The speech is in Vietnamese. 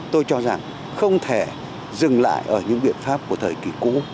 tôi cho rằng không thể dừng lại ở những biện pháp của thời kỳ cũ